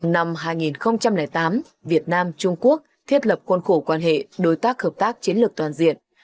năm hai nghìn tám việt nam trung quốc thiết lập quân khổ quan hệ đối tác hợp tác chiến lược toàn diện